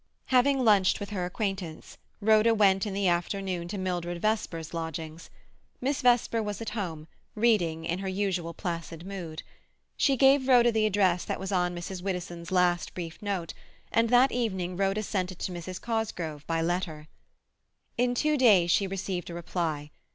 Having lunched with her acquaintance, Rhoda went in the afternoon to Mildred Vesper's lodgings. Miss Vesper was at home, reading, in her usual placid mood. She gave Rhoda the address that was on Mrs. Widdowson's last brief note, and that evening Rhoda sent it to Mrs. Cosgrove by letter. In two days she received a reply.